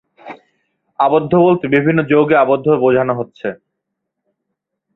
আবদ্ধ বলতে বিভিন্ন যৌগে আবদ্ধ বোঝানো হচ্ছে।